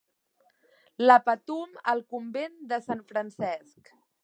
"La Patum al Convent de Sant Francesc"